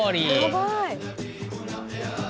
やばい。